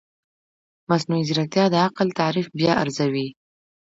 مصنوعي ځیرکتیا د عقل تعریف بیا ارزوي.